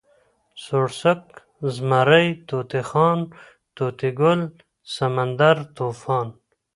سوړسک، زمری، طوطی خان، طوطي ګل، سمندر، طوفان